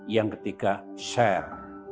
yang ketiga share